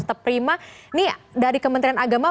tetap prima ini dari kementerian agama